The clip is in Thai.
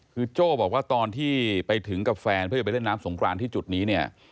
คือโจ้บอกว่าตอนที่ไปถึงกับแฟนเพื่อจะไปเล่นน้ำสงครานที่จุดนี้เนี่ย